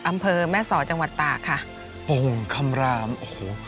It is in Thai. อำเภอแม่สอจังหวัดตากค่ะโอ่งคำรามโอ้โห